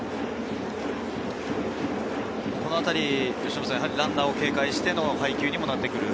このあたりランナーを警戒しての配球にもなってくる。